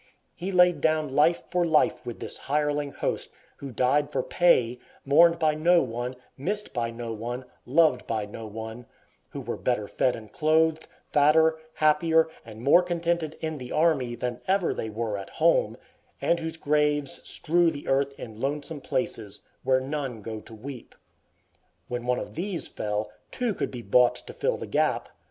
He laid down life for life with this hireling host, who died for pay, mourned by no one, missed by no one, loved by no one; who were better fed and clothed, fatter, happier, and more contented in the army than ever they were at home, and whose graves strew the earth in lonesome places, where none go to weep. When one of these fell, two could be bought to fill the gap.